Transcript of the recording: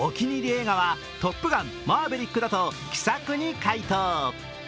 映画は「トップガンマーヴェリック」だと気さくに解答。